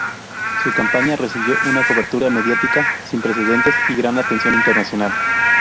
Su campaña recibió una cobertura mediática sin precedentes y gran atención internacional.